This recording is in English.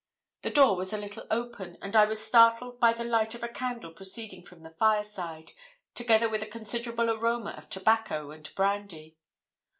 The door was a little open, and I was startled by the light of a candle proceeding from the fireside, together with a considerable aroma of tobacco and brandy.